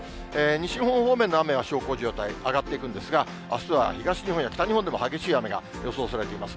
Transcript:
西日本方面の雨は小康状態、上がっていくんですが、あすは東日本や北日本でも激しい雨が予想されています。